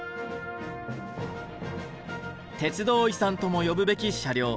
鉄道遺産とも呼ぶべき車両。